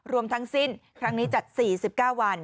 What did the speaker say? รวมทั้งสิ้นครั้งนี้จัด๔๙วัน